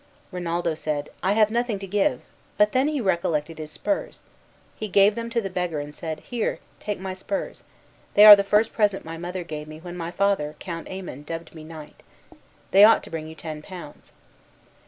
Rinaldo said, "I have nothing to give," but then he recollected his spurs. He gave them to the beggar, and said, "Here, take my spurs. They are the first present my mother gave me when my father, Count Aymon, dubbed me knight. They ought to bring you ten pounds."